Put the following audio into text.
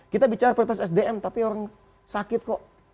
kita bicara prioritas sdm tapi orang sakit kok